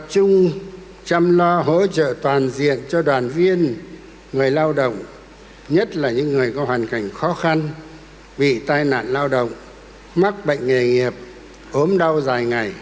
tập trung hỗ trợ toàn diện cho đoàn viên người lao động nhất là những người có hoàn cảnh khó khăn bị tai nạn lao động mắc bệnh nghề nghiệp ốm đau dài ngày